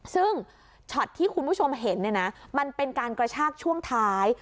ซึ่งช็อตที่คุณผู้ชมเห็นเนี่ยนะมันเป็นการกระชากช่วงท้าย